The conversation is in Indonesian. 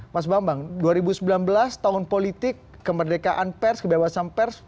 mas bambang dua ribu sembilan belas tahun politik kemerdekaan pers kebebasan pers